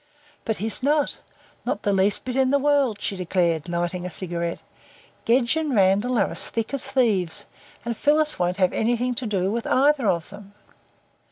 "But he's not. Not the least little bit in the world," she declared, lighting a cigarette. "Gedge and Randall are as thick as thieves, and Phyllis won't have anything to do with either of them."